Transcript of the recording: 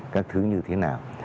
các thứ như thế nào